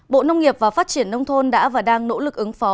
bộ nông nghiệp và phát triển nông thôn đã và đang nỗ lực ứng phó